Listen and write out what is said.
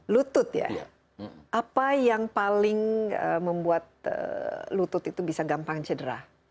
lutut ya apa yang paling membuat lutut itu bisa gampang cedera